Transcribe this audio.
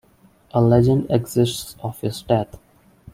A legend exists of his death.